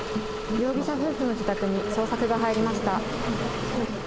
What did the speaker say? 容疑者夫婦の自宅に捜索が入りました。